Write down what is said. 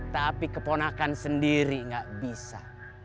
tapi keponakan sendiri gak bisa